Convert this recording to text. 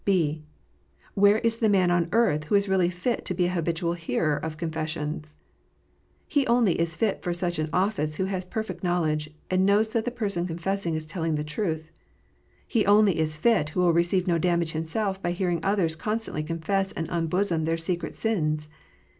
(b) Where is the man upon earth who is really fit to be an habitual hearer of confessions? He only is fit for such an office who has perfect knowledge, and knows that the person confessing is telling all the truth. He only is fit who will receive no damage himself by hearing others constantly confess and unbosom their secret sins.